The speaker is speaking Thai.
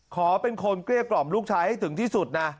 ขอเป็นคนเกลี้ยกล่อมลูกชายให้ถึงที่สุดนะ